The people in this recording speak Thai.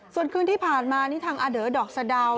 ส่วนคืนที่ผ่านมานี่ทางอาเดอดอกสะดาว